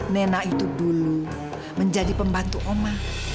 nena itu dulu menjadi pembantu oma